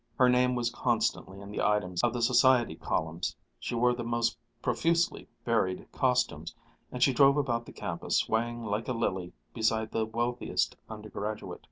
Her name was constantly in the items of the society columns, she wore the most profusely varied costumes, and she drove about the campus swaying like a lily beside the wealthiest undergraduate.